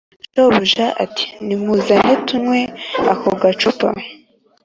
Shobuja ati“Nimuzane tunywe ako gacupa”